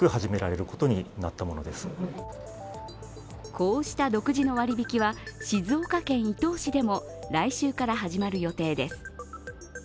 こうした独自の割引は静岡県伊東市でも来週から始まる予定です。